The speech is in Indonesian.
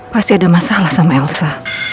pasti ada masalah sama elsa